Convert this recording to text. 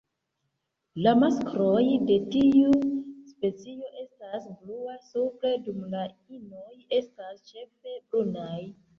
La maskloj de tiu specio estas blua supre, dum la inoj estas ĉefe brunaj.